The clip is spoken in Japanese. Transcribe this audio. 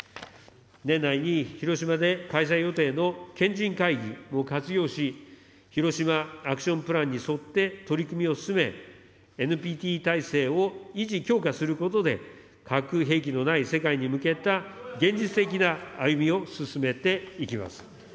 年内に広島で開催予定の賢人会議も活用し、ヒロシマ・アクション・プランに沿って、取り組みを進め、ＮＰＴ体制を維持・強化することで、核兵器のない世界に向けた現実的な歩みを進めていきます。